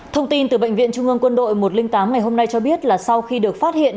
thông tin từ bệnh viện trung ương quân đội một trăm linh tám ngày hôm nay cho biết là sau khi được phát hiện